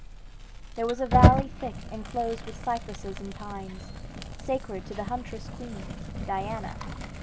There was a valley thick enclosed with cypresses and pines, sacred to the huntress queen, Diana.